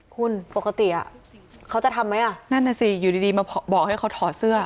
คุณปกติเขาจะทำไหมอ่ะนั่นน่ะสิอยู่ดีมาบอกให้เขาถอดเสื้อ